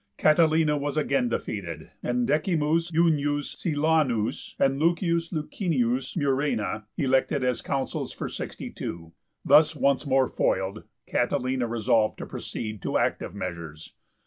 Catilina was again defeated, and D. Junius Silanus and L. Licinius Murena elected as Consuls for 62. Thus once more foiled, Catilina resolved to proceed to active measures.